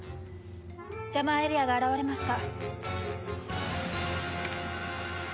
ジャマーエリアが現れました。